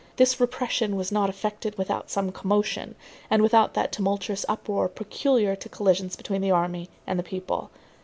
This repression was not effected without some commotion, and without that tumultuous uproar peculiar to collisions between the army and the people.